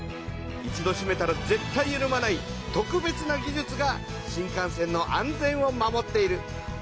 一度しめたらぜっ対ゆるまない特別な技術が新幹線の安全を守っている。